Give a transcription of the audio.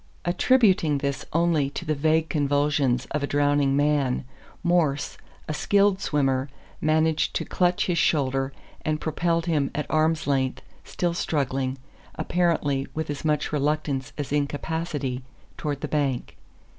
Attributing this only to the vague convulsions of a drowning man, Morse, a skilled swimmer, managed to clutch his shoulder, and propelled him at arm's length, still struggling, apparently with as much reluctance as incapacity, toward the bank.